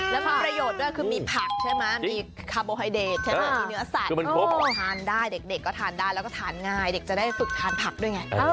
แล้วมีประโยชน์ด้วยคือมีผักใช่มะมีคาร์โบไฮเดรตใช่มะมีเนื้อสัตว์